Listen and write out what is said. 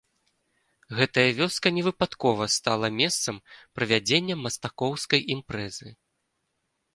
Гэтая вёска невыпадкова стала месцам правядзення мастакоўскай імпрэзы.